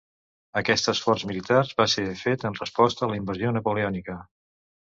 Aquest esforç militar va ser fet en resposta a la invasió napoleònica.